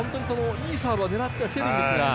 いいサーブは狙ってきているんですが。